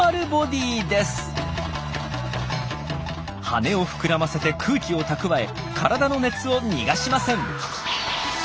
羽を膨らませて空気を蓄え体の熱を逃がしません。